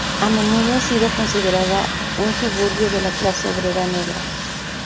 A menudo ha sido considerada un suburbio de la clase obrera negra.